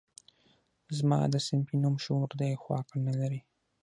زما ده صنفي نوم شعور دی خو عقل نه لري